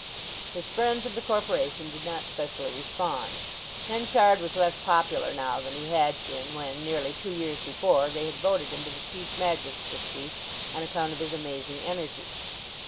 His friends of the Corporation did not specially respond. Henchard was less popular now than he had been when nearly two years before, they had voted him to the chief magistracy on account of his amazing energy.